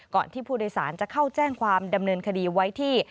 ที่ผู้โดยสารจะเข้าแจ้งความดำเนินคดีไว้ที่